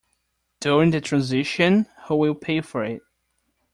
During the transition, who will pay for it?